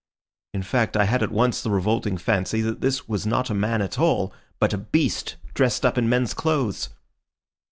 In fact, I had at once the revolting fancy that this was not a man at all, but a beast dressed up in men's clothes."